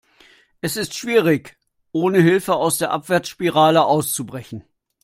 Es ist schwierig, ohne Hilfe aus der Abwärtsspirale auszubrechen.